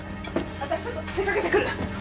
私ちょっと出掛けてくる！